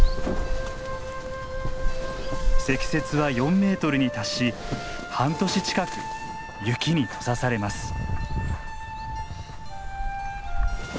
積雪は４メートルに達し半年近く雪に閉ざされます。